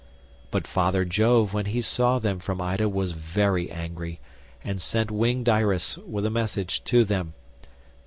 But father Jove when he saw them from Ida was very angry, and sent winged Iris with a message to them.